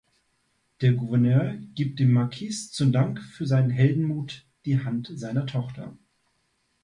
Der Gouverneur gibt dem Marquis zum Dank für seinen Heldenmut die Hand seiner Tochter.